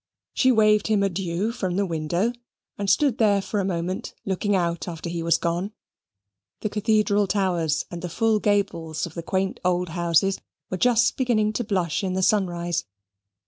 She waved him an adieu from the window, and stood there for a moment looking out after he was gone. The cathedral towers and the full gables of the quaint old houses were just beginning to blush in the sunrise.